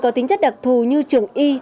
có tính chất đặc thù như trường y